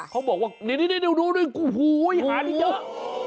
เขาบอกว่านี่ดูหาได้เยอะ